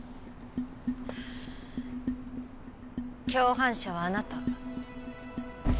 共犯者はあなた。